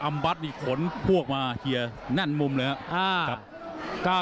อัมบัติอีกคนพวกมาเชียร์นั่นมุมเลยครับ